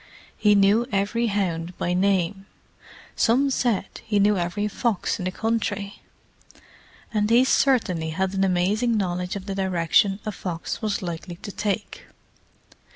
He knew every hound by name; some said he knew every fox in the country; and he certainly had an amazing knowledge of the direction a fox was likely to take.